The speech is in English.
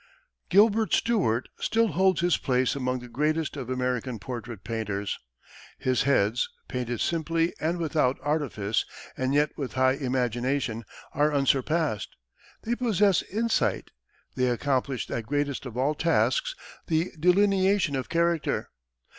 Gilbert Stuart still holds his place among the greatest of American portrait painters. His heads, painted simply and without artifice, and yet with high imagination, are unsurpassed; they possess insight, they accomplish that greatest of all tasks, the delineation of character.